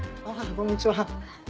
こんにちは。